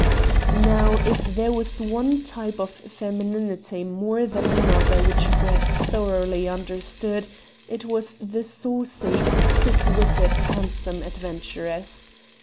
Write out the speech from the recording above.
Now, if there was one type of femininity more than another which Brett thoroughly understood it was the saucy, quick witted, handsome adventuress.